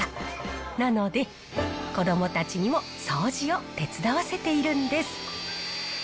なので、子どもたちにも掃除を手伝わせているんです。